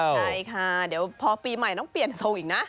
ใช่ค่ะเดี๋ยวพอปีใหม่ต้องเปลี่ยนทรงอีกนะ